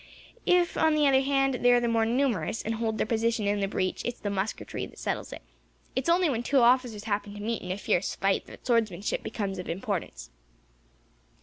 If, on the other hand, they are the more numerous, and hold their position in the breach, it is the musketry that settles it. It is only when two officers happen to meet, in a fierce fight, that swordsmanship becomes of importance.